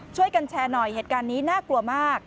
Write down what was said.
ช่วยกันแชร์หน่อยเหตุการณ์นี้น่ากลัวมาก